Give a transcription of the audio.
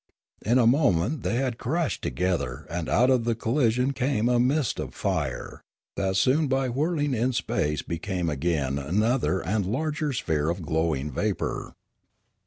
In a moment they had crashed together and out of the collision came a mist of fire, that soon by whirling in space became again another and a larger sphere of glowing vapour.